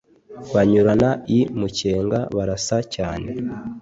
banyurana i mukenga barasa cyane